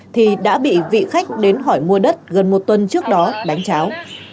thì đã bị vị khách đến hỏi mua đất gần một tuần trước đó đánh cháo